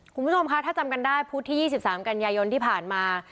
คุณผู้ชมคะถ้าจำกันได้พุธที่๒๓กันยายนที่ผ่านมา